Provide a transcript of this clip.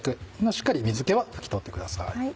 しっかり水気は拭き取ってください。